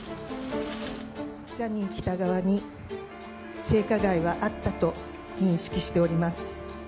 ジャニー喜多川に性加害はあったと認識しております。